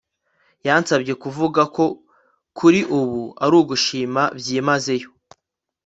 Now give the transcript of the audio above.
yansabye kuvuga ko kuri ubu aragushimira byimazeyo